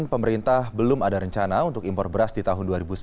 pemerintah belum ada rencana untuk impor beras di tahun dua ribu sembilan belas